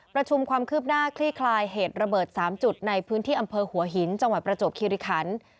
ประชุมความคืบหน้าคลี่คลายเหตุระเบิด๓จุดในพื้นที่อำเภอหัวหินจังหวัดประจวบคิริคัน